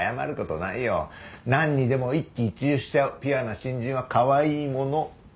なんにでも一喜一憂しちゃうピュアな新人はかわいいもの！